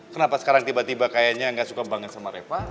kenapa sekarang tiba tiba kayaknya nggak suka banget sama reva